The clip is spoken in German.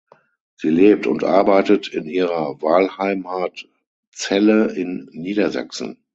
Sie lebt und arbeitet in ihrer Wahlheimat Celle in Niedersachsen.